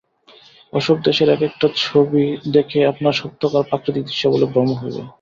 ও-সব দেশের এক একটা ছবি দেখে আপনার সত্যকার প্রাকৃতিক দৃশ্য বলে ভ্রম হবে।